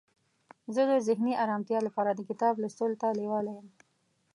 زه د ذهني آرامتیا لپاره د کتاب لوستلو ته لیواله یم.